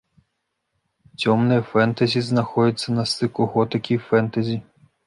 Цёмнае фэнтэзі знаходзіцца на стыку готыкі і фэнтэзі.